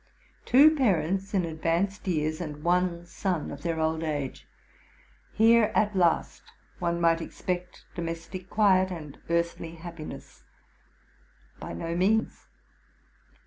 Two parents in advanced years, and one son of their old age — here, at last, one might expect domestic quiet and earthly happiness. By no means.